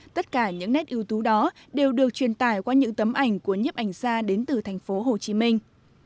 tất cả những nét ưu tú đó đều được truyền tải qua những tấm ảnh của nhiếp ảnh gia đến từ thành phố hồ chí minh